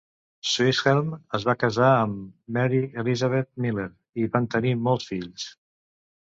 Swisshelm es va casar amb Mary Elizabeth Miller, i van tenir molts fills.